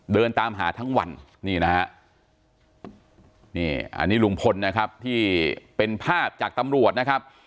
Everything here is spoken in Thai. เดินตามหาทั้งวันนี่นะฮะนี่อันนี้ลุงพลนะครับที่เป็นภาพจากตำรวจนะครับ